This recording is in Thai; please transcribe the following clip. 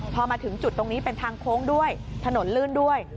พอมาถึงจุดตรงนี้เป็นทางโค้งด้วยถนนลื่นด้วย